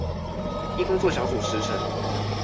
依工作小組時程